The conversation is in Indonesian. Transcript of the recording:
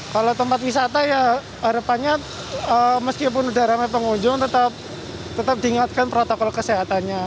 kalau tempat wisata ya harapannya meskipun sudah ramai pengunjung tetap diingatkan protokol kesehatannya